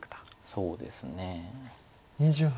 そうですね。